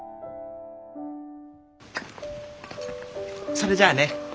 それじゃあね。